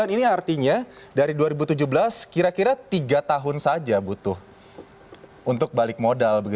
sembilan ini artinya dari dua ribu tujuh belas kira kira tiga tahun saja butuh untuk balik modal